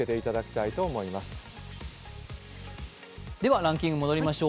ランキング戻りましょう。